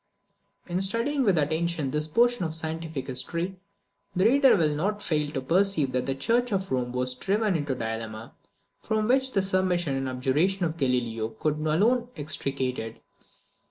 In studying with attention this portion of scientific history, the reader will not fail to perceive that the Church of Rome was driven into a dilemma, from which the submission and abjuration of Galileo could alone extricate it.